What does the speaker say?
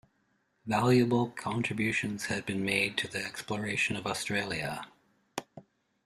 Valuable contributions had been made to the exploration of Australia.